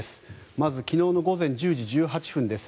まず、昨日の午前１０時１８分です。